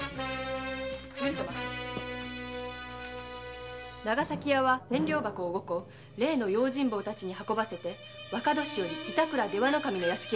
上様長崎屋は千両箱を五個例の用心棒たちに運ばせて板倉出羽守の屋敷へ。